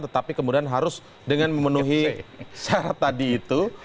tetapi kemudian harus dengan memenuhi syarat tadi itu